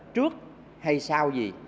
trước hay sau gì